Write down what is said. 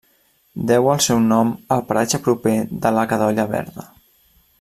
Deu el seu nom al paratge proper de la Cadolla Verda.